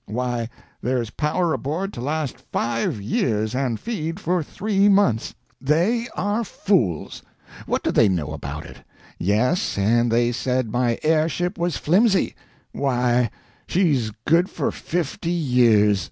Why, there's power aboard to last five years, and feed for three months. They are fools! What do they know about it? Yes, and they said my air ship was flimsy. Why, she's good for fifty years!